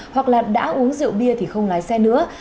hoặc là đã uống rượu bia thì không lái xe nữa